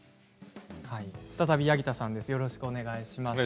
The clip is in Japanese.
再び、八木田さんです。